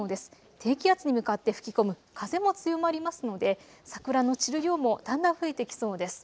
低気圧に向かって吹き込む風も強まりますので桜の散る量もだんだん増えてきそうです。